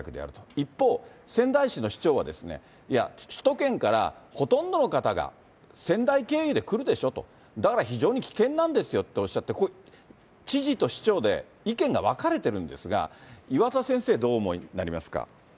一方、仙台市の市長は、いや、首都圏からほとんどの方が仙台経由で来るでしょと、だから非常に危険なんですよとおっしゃって、これ、知事と市長で意見が分かれてるんですが、岩田先生、どうお思いになりますか？